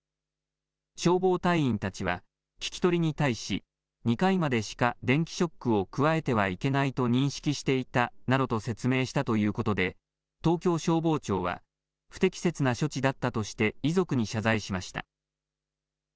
消防隊員たちは聞き取りに対し２回までしか電気ショックを加えてはいけないと認識していたなどと説明したということで東京消防庁は不適切な処置だったとして遺族に謝罪しました。